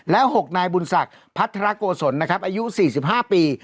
และ๖นายบุญศักดิ์พัฒนาโกศลนะครับอายุ๔๕ปี